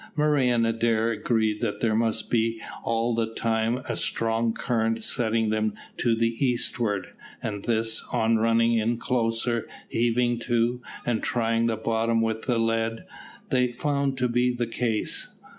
Murray and Adair agreed that there must be all the time a strong current setting them to the eastward, and this, on running in closer, heaving to, and trying the bottom with the lead, they found to be the case.